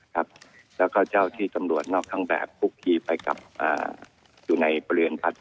แล้วก็เจ้าที่ตำรวจนอกทางแบบพุกทีไปอยู่ในบริเวณบัตร